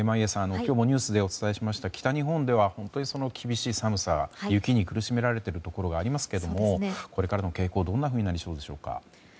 今日もニュースでお伝えしました北日本では本当に厳しい寒さや雪に苦しめられているところがありますがこれからの傾向、どんなふうになりそうでしょうか。